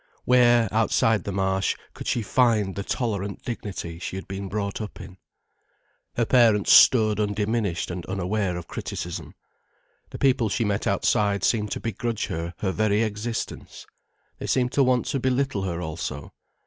Where, outside the Marsh, could she find the tolerant dignity she had been brought up in? Her parents stood undiminished and unaware of criticism. The people she met outside seemed to begrudge her her very existence. They seemed to want to belittle her also.